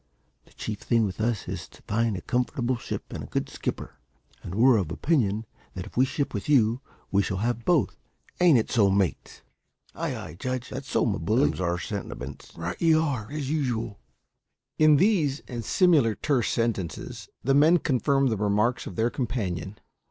The chief thing with us is to find a comfortable ship and a good skipper, and we're of opinion that if we ship with you, we shall have both. Ain't that so, mates?" "Ay, ay, judge; that's so, my bully. Them's our sentiments. Right you are, as usual." In these and similar terse sentences, the men confirmed the remarks of their companion.